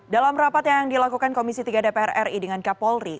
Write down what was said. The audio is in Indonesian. dalam rapat yang dilakukan komisi tiga dpr ri dengan kapolri